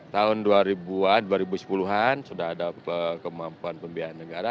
tahun dua ribu an dua ribu sepuluh an sudah ada kemampuan pembiayaan negara